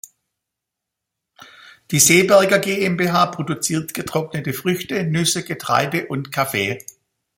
Die Seeberger GmbH produziert getrocknete Früchte, Nüsse, Getreide und Kaffee.